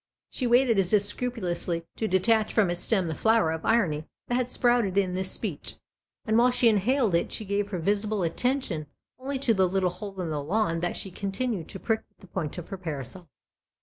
" She waited as if scrupulously to detach from its stem the flower of irony that had sprouted in this speech, and while she inhaled it she gave her visible attention only to the little hole in the lawn that she continued to prick with the point of her parasol.